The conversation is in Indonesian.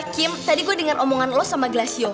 kim tadi gue dengar omongan lo sama glasio